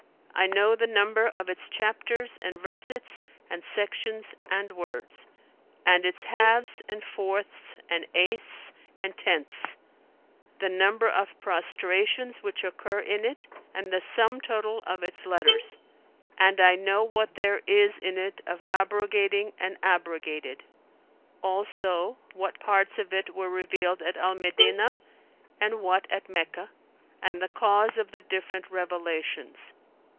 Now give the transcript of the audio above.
I know the number of its chapters and versets and sections and words; and its halves and fourths and eighths and tenths; the number of prostrations which occur in it and the sum total of its letters; and I know what there is in it of abrogating and abrogated[FN#295]; also what parts of it were revealed at Al Medinah and what at Meccah and the cause of the different revelations.